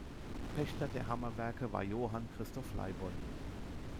Pächter der Hammerwerke war Johann Christoph Leibold.